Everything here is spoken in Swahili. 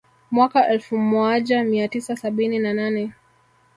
Mwaka elfu moaja mia tisa sabini na nane